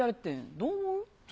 どう思う？